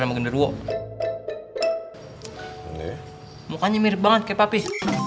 mukanya mirip banget ke papi